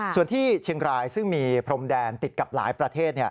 ส่วนที่เชียงรายซึ่งมีพรมแดนติดกับหลายประเทศ